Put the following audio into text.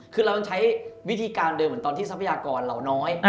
คือเราต้องใช้วิธีการเดิมเหมือนตอนที่ทรัพยากรเราน้อย